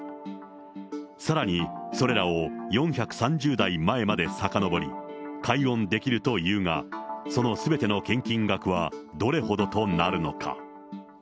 さらにそれらを４３０代前までさかのぼり、解怨できるというが、そのすべての献金額はどれほどとなるのか。